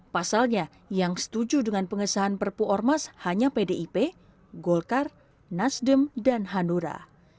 pasalnya yang setuju dengan pengesahan perpu ormas hanya pdip golkar nasdem dan hanura